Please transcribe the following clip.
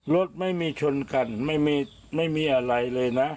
รถไม่มีชนกันไม่มีอะไรเลยนะ